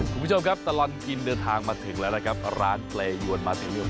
คุณผู้ชมครับตลอดกินเดินทางมาถึงแล้วนะครับร้านเปรยวนมาถึงเรื่อง